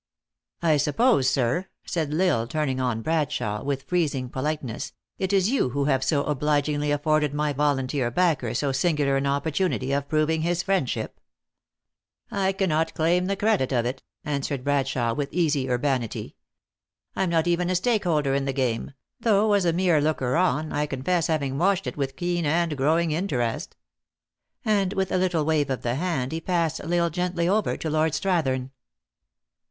" I suppose, sir," said L Isle, turning on Bradshawe, with freezing politeness, "it is you who have so obligingly afforded my volunteer backer so singular an opportunity of proving his friendship?" " I cannot claim the credit of it," answered Brad 384: THE ACTRESS IN" HIGH LIFE. shawe, with easy urbanity. " I am not even a stake holder in the game ; though, as a mere looker on, I confess having watched it with keen and arid growing interest." And with a little wave of the hand he passed L Isle gently over to Lord Strath ern.